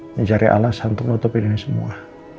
mencari alasan untuk menutup ini semua